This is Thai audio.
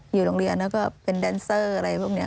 อยู่โรงเรียนแล้วก็เป็นแดนเซอร์อะไรพวกนี้